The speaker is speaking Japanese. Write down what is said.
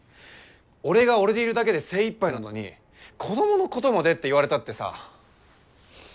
俺が俺でいるだけで精いっぱいなのに子どものことまでって言われたってさ。